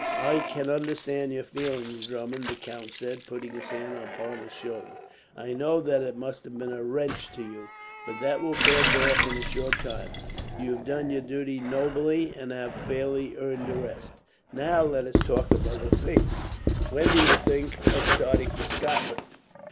"I can understand your feelings, Drummond," the count said, putting his hand upon his shoulder. "I know that it must have been a wrench to you, but that will pass off in a short time. You have done your duty nobly, and have fairly earned a rest. "Now, let us talk of other things. When do you think of starting for Scotland?"